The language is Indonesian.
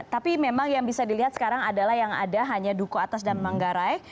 tapi memang yang bisa dilihat sekarang adalah yang ada hanya duku atas dan manggarai